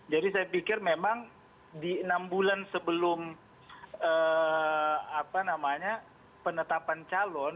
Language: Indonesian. jadi saya pikir memang di enam bulan sebelum penetapan calon